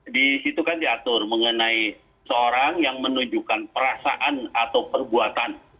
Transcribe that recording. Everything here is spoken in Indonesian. di situ kan diatur mengenai seorang yang menunjukkan perasaan atau perbuatan